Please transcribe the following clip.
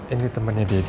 ini temennya daddy